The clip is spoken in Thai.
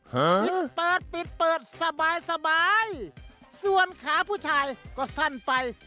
กินเปิดปิดเปิดสบายสบายส่วนขาผู้ชายก็สั้นไป